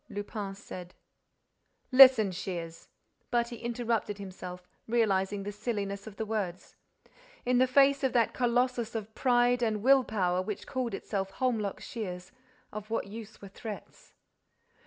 Lupin said: "Listen, Shears—" But he interrupted himself, realizing the silliness of the words. In the face of that colossus of pride and will power which called itself Holmlock Shears, of what use were threats?